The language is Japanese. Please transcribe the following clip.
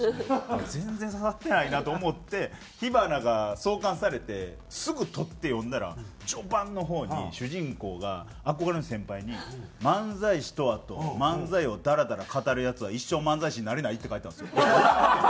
全然刺さってないなと思って『火花』が創刊されてすぐ取って読んだら序盤の方に主人公が憧れの先輩に「“漫才師とは”と漫才をだらだら語るヤツは一生漫才師になれない」って書いてあるんですよ。